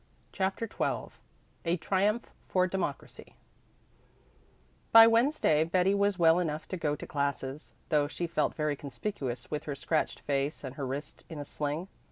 CHAPTER XII A TRIUMPH FOR DEMOCRACY By Wednesday Betty was well enough to go to classes, though she felt very conspicuous with her scratched face and her wrist in a sling.